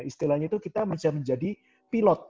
istilahnya itu kita bisa menjadi pilot